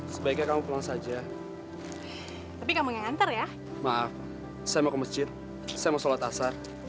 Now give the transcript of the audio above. saya mau sholat asar